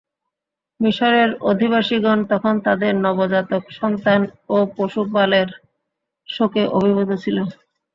মিসরের অধিবাসিগণ তখন তাদের নবজাতক সন্তান ও পশুপালের শোকে অভিভূত ছিল।